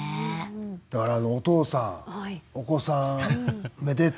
だからあのお父さんお子さんめでて。